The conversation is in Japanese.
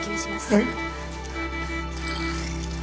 はい。